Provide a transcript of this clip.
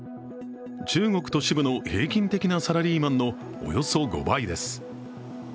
中国都市部の平均的なサラリーマンのおよそ５倍です。